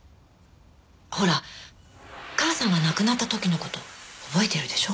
ほら母さんが亡くなった時の事覚えてるでしょ？